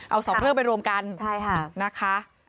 เอาสองเรื่องไปรวมกันนะคะ